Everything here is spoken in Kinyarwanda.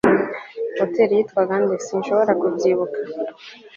hoteri yitwaga nde? sinshobora kubyibuka